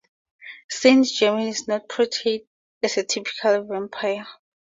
Saint-Germain is not portrayed as a typical vampire.